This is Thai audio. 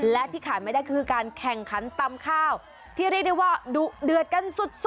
และที่ขาดไม่ได้คือการแข่งขันตำข้าวที่เรียกได้ว่าดุเดือดกันสุด